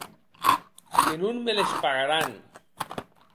Que non me les pagaràn.